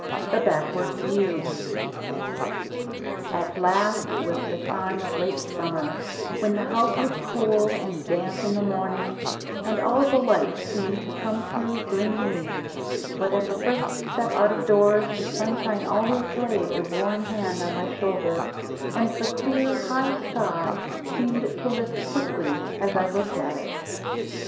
The Backward View AT LAST IT WAS the time of late summer, when the house was cool and damp in the morning, and all the light seemed to come through green leaves; but at the first step out of doors the sunshine always laid a warm hand on my shoulder, and the clear, high sky seemed to lift quickly as I looked at it.